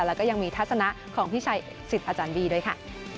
แล้วก็ยังมีทัศนะของพี่ชัยสิทธิ์อาจารย์บี้ด้วยค่ะ